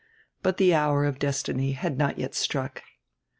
But the hour of destiny had not yet struck.